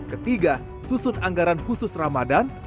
ketiga susun anggaran khusus ramadan